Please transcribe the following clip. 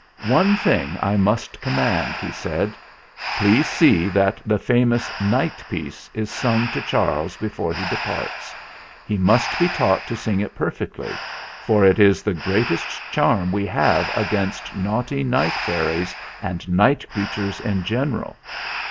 "One thing I must command," he said. "Please see that the famous 'Night Piece' is sung to Charles before he departs. He must be taught to sing it perfectly, for it is the greatest charm we have against naughty night fairies, and night creatures in general.